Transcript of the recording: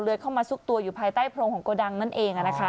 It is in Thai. เลือดเข้ามาซุกตัวอยู่ภายใต้โพรงของกระดังนั่นเองนะคะ